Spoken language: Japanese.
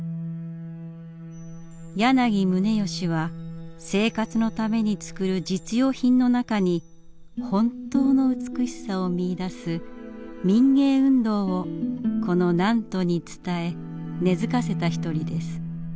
柳宗悦は生活のためにつくる実用品の中に本当の美しさを見いだす「民藝運動」をこの南砺に伝え根づかせた一人です。